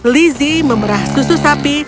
lizzie memerah susu sapi